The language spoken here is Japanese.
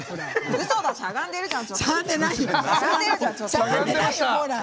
うそだしゃがんでるじゃん。